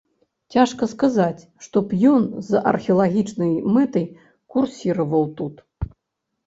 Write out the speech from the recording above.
Цяжка сказаць, што б ён з археалагічнай мэтай курсіраваў тут.